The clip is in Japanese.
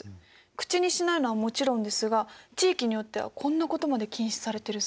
口にしないのはもちろんですが地域によってはこんなことまで禁止されてるそうです。